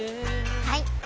はい！